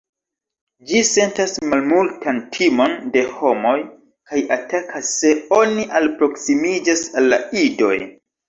Ĝi sentas malmultan timon de homoj, kaj atakas se oni alproksimiĝas al la idoj.